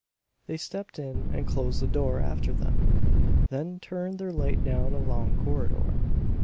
They stepped in and closed the door after them, then turned their light down a long corridor.